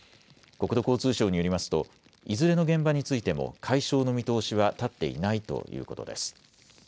国土交通省によりますといずれの現場についても解消の見通しは立っていないということです。